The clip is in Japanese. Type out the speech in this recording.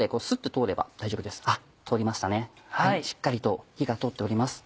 通りましたねしっかりと火が通っております。